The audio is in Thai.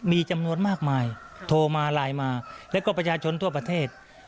มีจำนวนมากมายโทรมาไลน์มาแล้วก็ประชาชนทั่วประเทศ